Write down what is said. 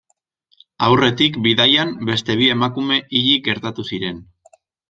Aurretik, bidaian, beste bi emakume hilik gertatu ziren.